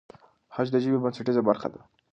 خج د ژبې بنسټیزه برخه ده.